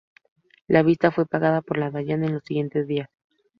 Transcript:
La visita fue pagada por Dayan en los siguientes días.